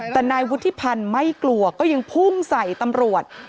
แต่นายวุฒิพันธ์ไม่กลัวก็ยังพุ่งใส่ตำรวจ